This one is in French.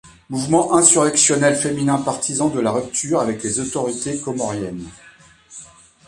Mouvement insurrectionnel féminin partisan de la rupture avec les autorités comoriennes.